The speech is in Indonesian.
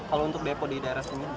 kalau untuk depo di daerah sini